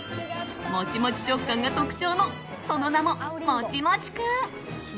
モチモチ食感が特徴のその名も、もちもち君。